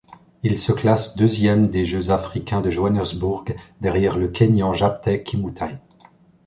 Il se classe deuxième des Jeux africains de Johannesburg, derrière le kényan Japheth Kimutai.